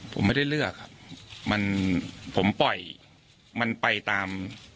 ผมไม่ได้เลือกครับมันผมปล่อยมันไปตาม